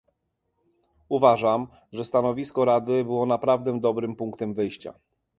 Uważam, że stanowisko Rady było naprawdę dobrym punktem wyjścia